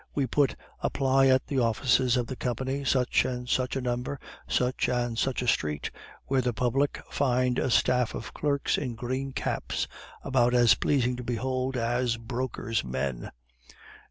We put, 'Apply at the offices of the Company, such and such a number, such and such a street,' where the public find a staff of clerks in green caps, about as pleasing to behold as broker's men."